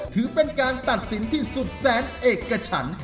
ถือเป็นการตัดสินที่สุดแสนเอกฉัน